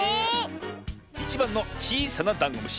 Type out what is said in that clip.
１ばんのちいさなダンゴムシ。